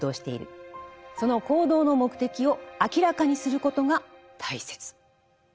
その行動の目的を明らかにすることが大切。